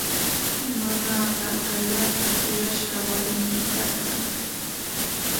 Mamaaqa allaapa kuyashqa warmin karqan.